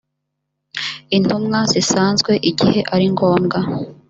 intumwa zisanzwe igihe ari ngombwa